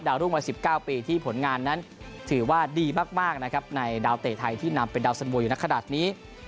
รุ่งวัย๑๙ปีที่ผลงานนั้นถือว่าดีมากนะครับในดาวเตะไทยที่นำเป็นดาวสันมวยอยู่ในขณะนี้